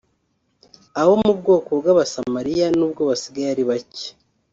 Abo mu bwoko bw’aba Samaria nubwo basigaye ari bake